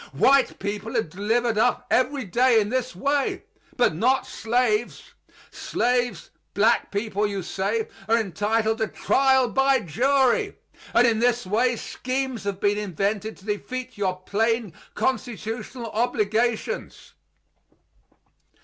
White people are delivered up every day in this way; but not slaves. Slaves, black people, you say, are entitled to trial by jury; and in this way schemes have been invented to defeat your plain constitutional obligations.